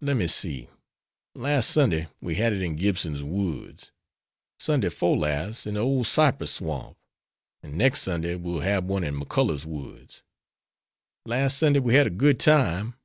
"Lem me see. Las' Sunday we had it in Gibson's woods; Sunday 'fore las', in de old cypress swamp; an' nex' Sunday we'el hab one in McCullough's woods. Las' Sunday we had a good time.